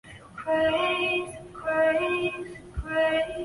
锡达尔维尔是一个位于美国阿肯色州克劳福德县的城市。